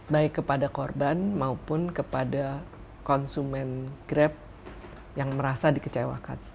baik kepada korban maupun kepada konsumen grab yang merasa dikecewakan